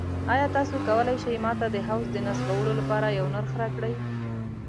ایا تاسو کولی شئ ما ته د حوض د نصبولو لپاره یو نرخ راکړئ؟